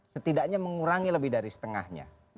setidaknya mengurangi lebih dari setengahnya